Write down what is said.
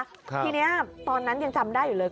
ทีนี้ตอนนั้นยังจำได้อยู่เลย